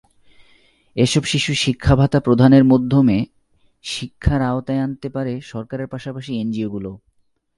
এসব শিশুর শিক্ষাভাতা প্রদানের মধ্যমে শিক্ষার আওতায় আনতে পারে সরকারের পাশাপাশি এনজিওগুলো।